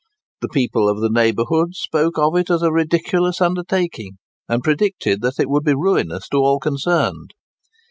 The people of the neighbourhood spoke of it as a ridiculous undertaking, and predicted that it would be ruinous to all concerned.